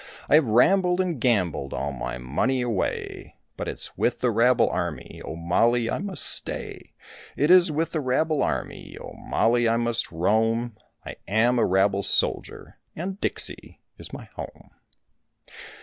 I have rambled and gambled all my money away, But it's with the rabble army, O Mollie, I must stay, It is with the rabble army, O Mollie I must roam, I am a rabble soldier and Dixie is my home.